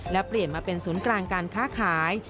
และเปลี่ยนมาเป็นศูนย์กลางการค้าขาย